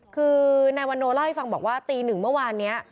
คือนายวันโนเล่าให้ฟังบอกว่าตีหนึ่งเมื่อวานนี้